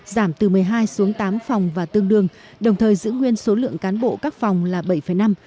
giảm từ một mươi hai xuống tám phòng và tương đương đồng thời giữ nguyên số lượng cán bộ các phòng là bảy năm